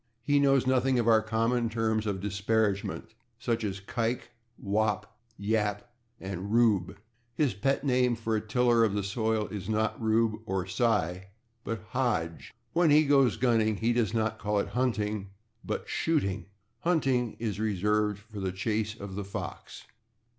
He knows nothing of our common terms of disparagement, such as /kike/, /wop/, /yap/ and /rube/. His pet name for a tiller of the soil is not /Rube/ or /Cy/, but /Hodge/. When he goes gunning he does not call it /hunting/, but /shooting/; /hunting/ is reserved for the chase of the fox.